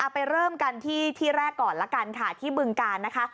ไปเริ่มกันที่ที่แรกก่อนละกันค่ะที่บึงการนะคะ